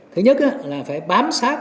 thứ nhất là phải bảo hiểm số việt nam